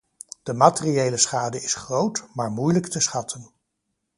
De materiële schade is groot, maar moeilijk te schatten.